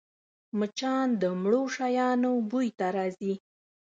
مچان د مړو شیانو بوی ته راځي